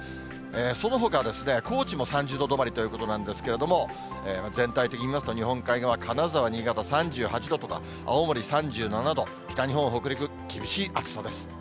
そのほかですね、高知も３０度止まりということなんですけれども、全体的に見ますと日本海側、金沢、新潟、３８度とか、青森３７度、北日本、北陸、厳しい暑さです。